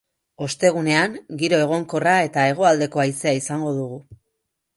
Ostegunean giro egonkorra eta hegoaldeko haizea izango dugu.